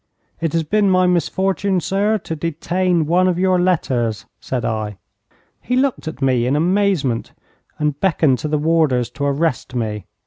'It has been my misfortune, sir, to detain one of your letters,' said I. He looked at me in amazement, and beckoned to the warders to arrest me.